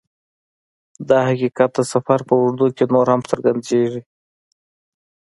دا حقیقت د سفر په اوږدو کې نور هم څرګندیږي